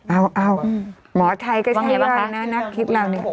เอาหมอไทยก็ใช่เลยนะนักคิดเรื่องนี้